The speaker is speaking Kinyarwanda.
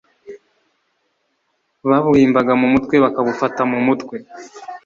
babuhimbaga mu mutwe bakabufata mu mutwe